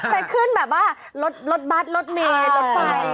ไปขึ้นแบบว่ารถบัตรรถเมย์รถไฟ